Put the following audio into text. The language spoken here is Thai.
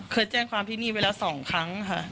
เคยแจ้งความที่นี่ไว้แล้ว๒ครั้งค่ะ